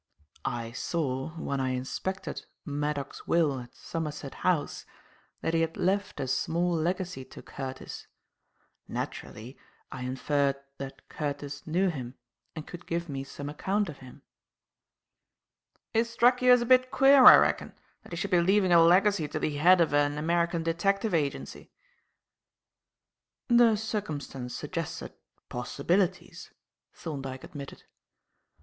"I saw, when I inspected Maddock's will at Somerset House, that he had left a small legacy to Curtis. Naturally, I inferred that Curtis knew him and could give me some account of him." "It struck you as a bit queer, I reckon, that he should be leaving a legacy to the head of an American detective agency." "The circumstance suggested possibilities," Thorndyke admitted.